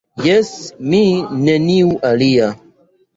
Jes, mi, neniu alia.